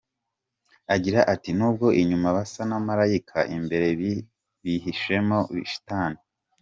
Agira ati “Nubwo inyuma basa n’amalayika, imbere bihishemo shitani.